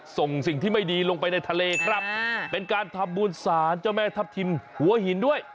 ส่งสิ่งที่ไม่ดีลงไปในทะเลครับเป็นการทำบุญสารเจ้าแม่ทัพทิมหัวหินด้วย